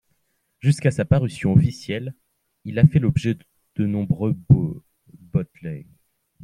Jusqu'à sa parution officielle, il a fait l'objet de nombreux bootlegs.